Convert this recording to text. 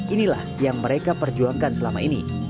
inilah yang mereka perjuangkan selama ini